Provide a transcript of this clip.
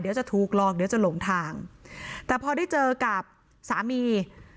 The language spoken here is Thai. เดี๋ยวจะถูกหลอกเดี๋ยวจะหลงทางแต่พอได้เจอกับสามี